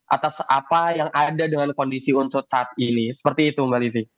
atas apa yang ada dengan kondisi unsut saat ini seperti itu mbak lizzie